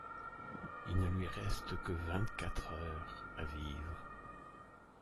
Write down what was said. Il ne lui reste que vingt-quatre heures à vivre.